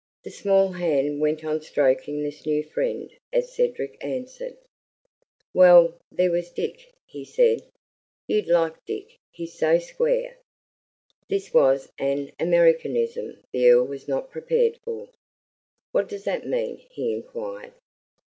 The small hand went on stroking this new friend as Cedric answered: "Well, there was Dick," he said. "You'd like Dick, he's so square." This was an Americanism the Earl was not prepared for. "What does that mean?" he inquired.